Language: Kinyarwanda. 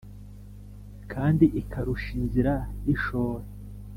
kandi ikarushya inzira y' ishora.